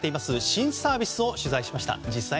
新サービスを取材しました。